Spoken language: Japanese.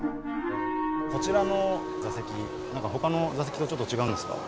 こちらの座席何かほかの座席とちょっと違うんですか？